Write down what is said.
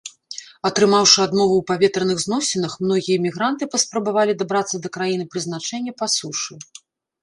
Атрымаўшы адмову ў паветраных зносінах, многія мігранты паспрабавалі дабрацца да краіны прызначэння па сушы.